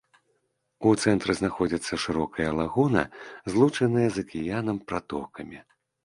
У цэнтры знаходзіцца шырокая лагуна, злучаная з акіянам пратокамі.